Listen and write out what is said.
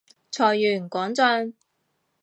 財源廣進